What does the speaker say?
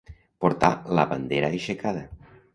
Portar la bandera aixecada.